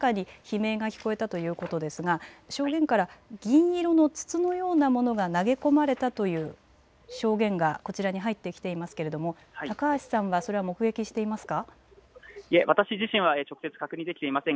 そして岸田総理大臣が演説に移動するさなかに悲鳴が聞こえたということですが証言から銀色の筒のようなものが投げ込まれたという証言がこちらに入ってきますが、高橋さんはそれは目撃していますか。